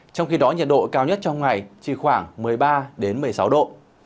trong khi đó nhiệt độ cao nhất trong ngày chỉ khoảng một mươi ba một mươi sáu độ